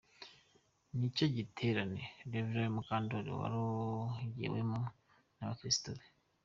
Iki nicyo giterane, Rev Mukandori yarogewemo n'abakristo be.